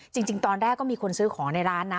จริงตอนแรกก็มีคนซื้อของในร้านนะ